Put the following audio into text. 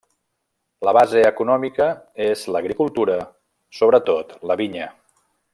La base econòmica és l'agricultura, sobretot la vinya.